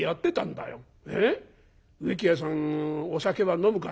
『植木屋さんお酒は飲むか？』